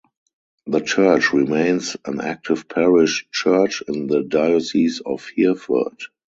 The church remains an active parish church in the Diocese of Hereford.